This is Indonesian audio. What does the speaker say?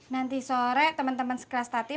nanti sore temen temen sekelas tati